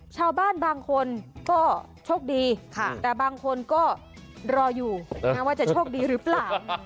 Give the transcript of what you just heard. ชาวบ้านบางคนก็โชคดีแต่บางคนก็รออยู่ว่าจะโชคดีหรือเปล่า